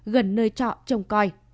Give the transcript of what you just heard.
gần nơi trọ trông coi